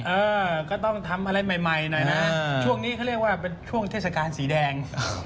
เออก็ต้องทำอะไรใหม่หน่อยนะช่วงนี้เขาเรียกว่าเป็นช่วงเทศกาลสีแดง